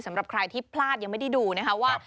สำหรับใครที่พลาดยังไม่ได้ดูนะคะว่า